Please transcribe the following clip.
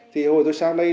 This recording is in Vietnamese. thì hồi tôi sang đây